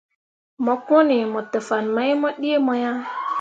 Mo kõoni mo te fah mai mu ɗii mo ah.